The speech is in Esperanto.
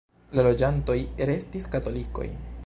La loĝantoj restis katolikoj.